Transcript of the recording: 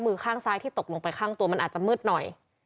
มือข้างซ้ายที่ตกลงไปข้างตัวมันอาจจะมืดหน่อย